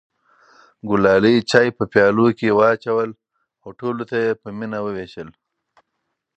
ګلالۍ چای په پیالو کې واچوه او ټولو ته یې په مینه وویشل.